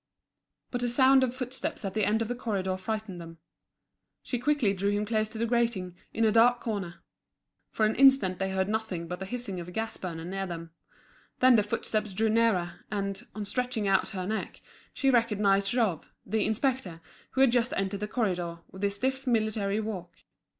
But a sound of footsteps at the end of the corridor frightened them. She quickly drew him close to the grating, in a dark corner. For an instant they heard nothing but the hissing of a gas burner near them. Then the footsteps drew nearer; and, on stretching out her neck, she recognised Jouve, the inspector, who had just entered the corridor, with his stiff military walk.